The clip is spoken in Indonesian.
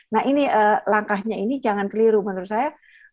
nah ini langkahnya ini jangan keliru menurut saya